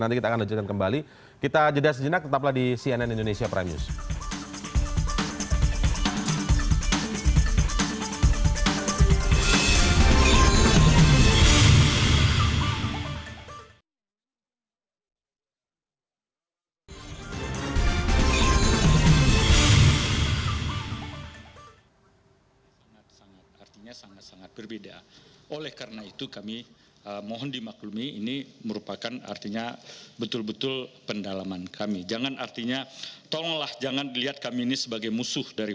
baik kita berikan kembali kita jeda sejenak tetaplah di cnn indonesia prime news